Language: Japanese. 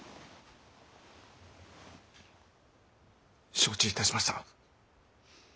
承知いたしました。